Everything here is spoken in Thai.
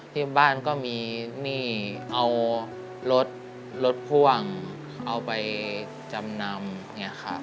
ที่บ้านก็มีหนี้เอารถรถพ่วงเอาไปจำนำ